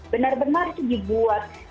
benar benar itu dibuat